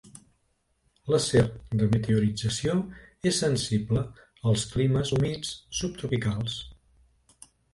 L'acer de meteorització és sensible als climes humits subtropicals.